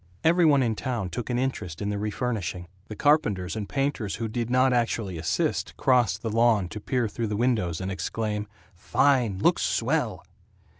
Every one in town took an interest in the refurnishing. The carpenters and painters who did not actually assist crossed the lawn to peer through the windows and exclaim, "Fine! Looks swell!"